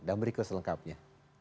dan berikut selengkapnya